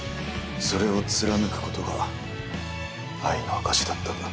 それを貫くことが愛の証しだったんだ。